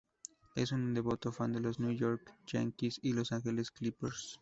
Es un devoto fan de los New York Yankees y Los Angeles Clippers.